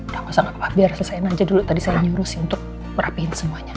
udah nggak usah nggak apa apa biar selesain aja dulu tadi saya nyuruh sih untuk merapihin semuanya